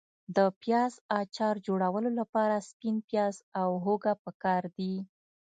د پیاز اچار جوړولو لپاره سپین پیاز او هوګه پکار دي.